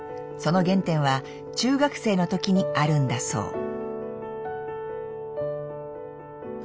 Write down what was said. その原点は中学生のときにあるんだそう。